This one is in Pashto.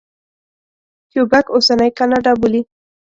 کیوبک اوسنۍ کاناډا بولي.